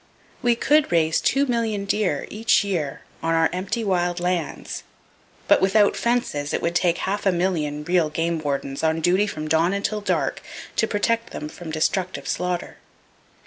We could raise two million deer each year on our empty wild lands; but without fences it would take half a million real game wardens, on duty [Page 237] from dawn until dark, to protect them from destructive slaughter.